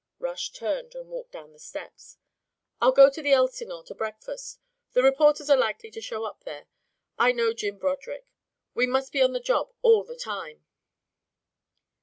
Rush turned and walked down the steps. "I'll go to the Elsinore to breakfast. The reporters are likely to show up there. I know Jim Broderick. We must be on the job all the time."